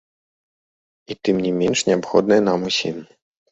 І тым не менш неабходнае нам усім.